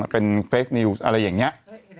เป็นเฟคนิวส์อะไรอย่างนี้